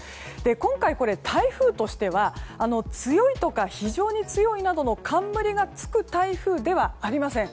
今回、台風としては強いとか非常に強いなどの冠がつく台風ではありません。